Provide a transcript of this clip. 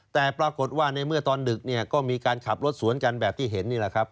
แต่ปรากฏว่าในเมื่อตอนดึกเนี่ยก็มีการขับรถสวนกันแบบที่เห็นนี่แหละครับ